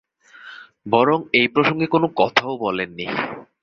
বরং এই প্রসঙ্গে কোনো কথাও বলেন নি।